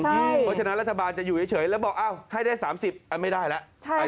เพราะฉะนั้นรัฐบาลจะอยู่เฉยแล้วบอกให้ได้๓๐ไม่ได้แล้ว